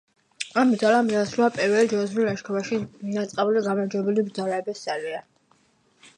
ამ ბრძოლამ დაასრულა პირველ ჯვაროსნულ ლაშქრობაში დაწყებული გამარჯვებული ბრძოლების სერია.